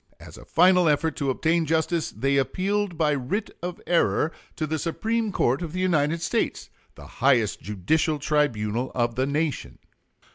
As a final effort to obtain justice, they appealed by writ of error to the Supreme Court of the United States, the highest judicial tribunal of the nation.